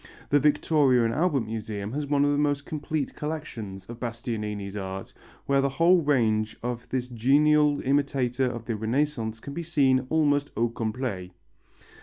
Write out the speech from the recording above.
The Victoria and Albert Museum has one of the most complete collections of Bastianini's art, where the whole range of this genial imitator of the Renaissance can be seen almost au complet.